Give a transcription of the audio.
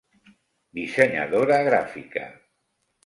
Dissenyadora gràfica.